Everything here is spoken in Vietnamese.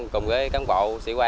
cùng với cán bộ sĩ quan ở đây